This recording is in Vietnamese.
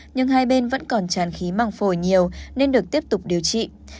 nhưng hai bên vẫn còn tràn khí màng phổi nhiều nên được tiếp tục điều trị